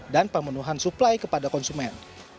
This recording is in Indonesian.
dan pemenuhan supply kepada konsumen